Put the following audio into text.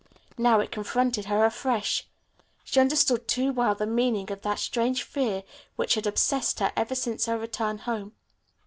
Now it confronted her afresh. She understood too well the meaning of that strange fear which had obsessed her ever since her return home.